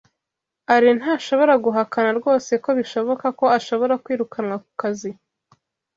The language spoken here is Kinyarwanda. Alain ntashobora guhakana rwose ko bishoboka ko ashobora kwirukanwa ku kazi.